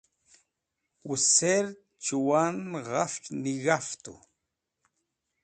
wuserd chuwan ghafch nig̃aftu